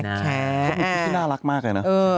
เขาเป็นคนที่น่ารักมากเลยนะ